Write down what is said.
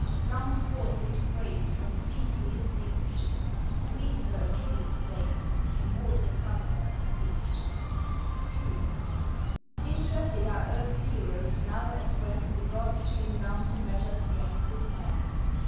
Sound forth his praise from sea to listening sea Greece her Achilles claimed, immortal Custer, we. II. Intrepid are earth's heroes now as when The gods came down to measure strength with men.